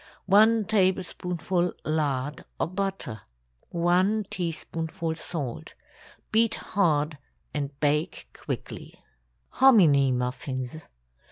1 tablespoonful lard or butter. 1 teaspoonful salt. Beat hard and bake quickly. HOMINY MUFFINS.